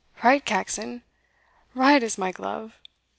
"Right, Caxon! right as my glove!